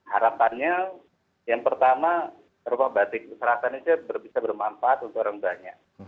harapannya yang pertama rumah batik selatan itu bisa bermanfaat untuk orang banyak